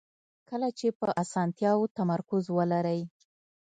کله چې په اسانتیاوو تمرکز ولرئ.